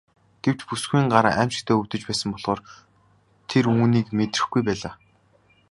Гэвч бүсгүйн гар аймшигтай өвдөж байсан болохоор тэр үүнийг мэдрэхгүй байлаа.